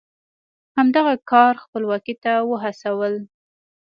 همدغه کار خپلواکۍ ته وهڅول.